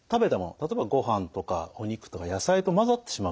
例えばごはんとかお肉とか野菜と混ざってしまうと